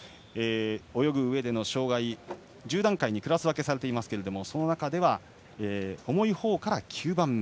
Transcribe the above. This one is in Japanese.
泳ぐうえでの障がいは１０段階にクラス分けされていますがその中では重いほうから９番目。